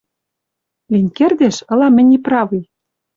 Лин кердеш, ылам мӹнь неправый